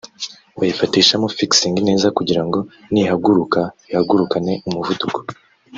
Bayifatishamo (Fixing) neza kugira ngo nihaguruka ihagurukane umuvuduko